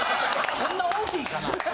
そんな大きいかな？